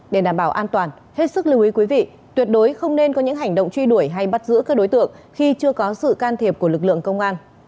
để đảm bảo an toàn hết sức lưu ý quý vị tuyệt đối không nên có những hành động truy đuổi hay bắt giữ các đối tượng khi chưa có sự can thiệp của lực lượng công an